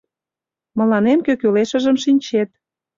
Мыланем кӧ кӱлешыжым шинчет.